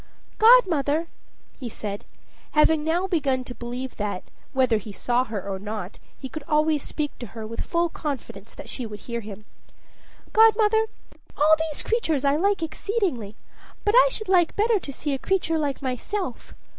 "Godmother," he said, having now begun to believe that, whether he saw her or not, he could always speak to her with full confidence that she would hear him "Godmother, all these creatures I like exceedingly; but I should like better to see a creature like myself.